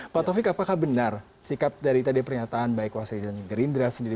pak taufik apakah benar sikap dari tadi pernyataan baik wasikjen gerindra sendiri